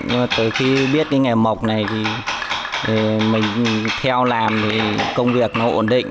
nhưng mà từ khi biết cái nghề mộc này thì mình theo làm thì công việc nó ổn định